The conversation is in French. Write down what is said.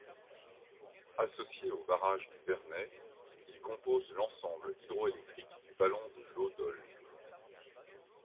Associé au barrage du Verney, ils composent l'ensemble hydroélectrique du vallon de l'Eau d'Olle.